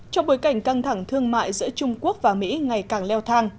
trong bối cảnh căng thẳng thương mại giữa trung quốc và mỹ ngày càng leo thang